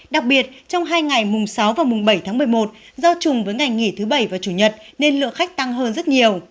đặc biệt trong hai ngày mùng sáu và mùng bảy tháng một mươi một do chùng với ngày nghỉ thứ bảy và chủ nhật nên lượng khách tăng hơn rất nhiều